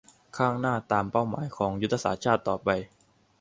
ข้างหน้าตามเป้าหมายของยุทธศาสตร์ชาติต่อไป